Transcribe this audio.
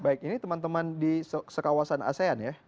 baik ini teman teman di sekawasan asean ya